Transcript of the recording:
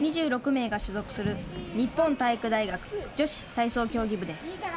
２６名が所属する日本体育大学女子体操競技部です。